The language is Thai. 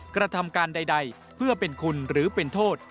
กระทำการใดเพื่อเป็นคุณหรือเป็นโทษ